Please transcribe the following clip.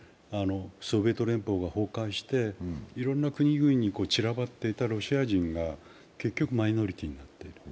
ソビエト連邦が崩壊していろんな国々に散らばっていたロシア人が結局マイノリティーになって。